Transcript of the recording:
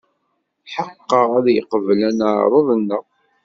Tḥeqqeɣ ad yeqbel aneɛruḍ-nneɣ.